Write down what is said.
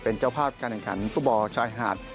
เป็นเจ้าภาพการแข่งขันฟุตบอลชายหาด